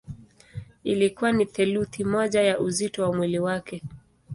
Ilikuwa ni theluthi moja ya uzito wa mwili wake.